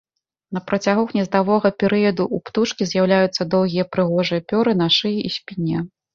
На працягу гнездавога перыяду ў птушкі з'яўляюцца доўгія прыгожыя пёры на шыі і спіне.